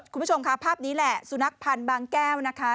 คุณผู้ชมค่ะภาพนี้แหละสุนัขพันธ์บางแก้วนะคะ